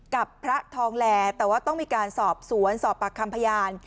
กับพระทองแลแต่ว่าต้องมีการสอบสวนสอบปากคำพยาน